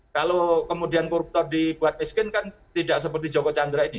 kalau kemudian koruptor dibuat miskin kan tidak seperti joko chandra ini